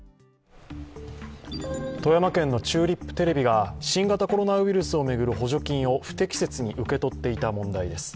富山県のチューリップテレビが新型コロナウイルスに対する補助金を不適切に受け取っていた問題です。